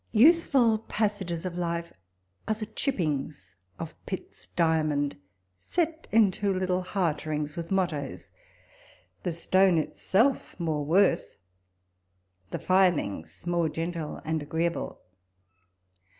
Youthful passages of life are the chippings of Pitt's diamond, set into little heart fings with mottoes ; the stone itself more worth, the filings more gentle, and agreeable.